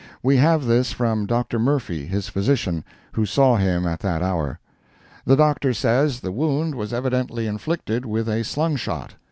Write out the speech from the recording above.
We have this from Dr. Murphy, his physician, who saw him at that hour. The Doctor says the wound was evidently inflicted with a slung shot.